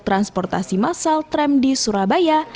transportasi massal tram di surabaya